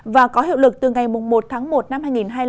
và có hiệu lực từ ngày một tháng một năm hai nghìn hai mươi năm